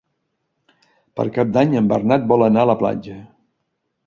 Per Cap d'Any en Bernat vol anar a la platja.